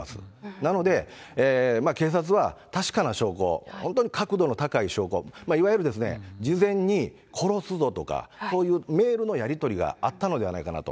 なので、警察は確かな証拠、本当に確度の高い証拠、いわゆる事前に殺すぞとか、そういうメールのやり取りがあったのではないかなと。